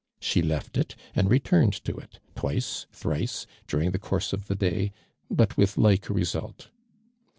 iShc left it and returned to it, twice, thrice, during tlie (iourse of the day, but witli like result.